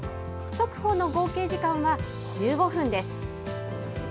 速歩の合計時間は１５分です。